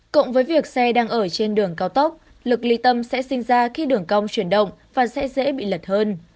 cộng với việc xe đang ở trên đường cao tốc lực ly tâm sẽ sinh ra khi đường cong chuyển động và sẽ dễ bị lật hơn